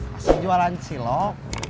masih jualan cilok